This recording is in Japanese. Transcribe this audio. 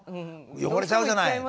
汚れちゃうじゃない」。